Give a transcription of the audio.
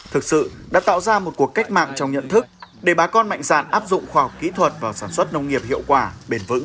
thực sự đã tạo ra một cuộc cách mạng trong nhận thức để bà con mạnh dạn áp dụng khoa học kỹ thuật và sản xuất nông nghiệp hiệu quả bền vững